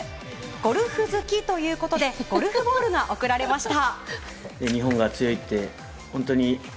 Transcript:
ゴルフ好きということでゴルフボールが贈られました。